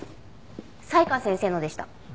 才川先生のでした。